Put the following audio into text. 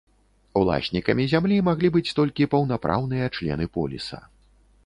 Уласнікамі зямлі маглі быць толькі паўнапраўныя члены поліса.